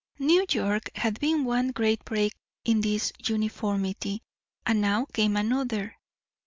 New York had been one great break in this uniformity, and now came another.